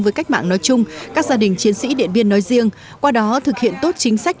với cách mạng nói chung các gia đình chiến sĩ điện biên nói riêng qua đó thực hiện tốt chính sách